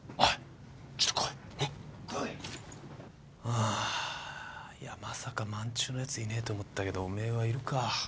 ハァいやまさか萬中のやついねえと思ったけどおめえはいるか